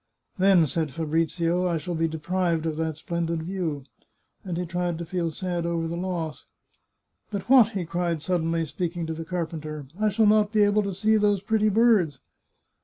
" Then," said Fabrizio, " I shall be deprived of that splendid view ?" and he tried to feel sad over the loss. " But what," he cried suddenly, speaking to the carpenter, " I shall not be able to see those pretty birds